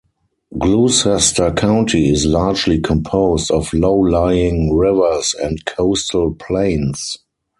Gloucester County is largely composed of low-lying rivers and coastal plains.